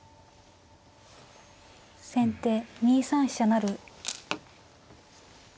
先手２三飛車成。